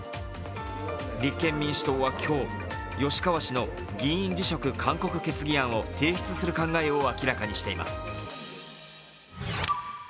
立憲民主党は今日、吉川氏の議員辞職勧告決議案を提出する考えを明らかにしています。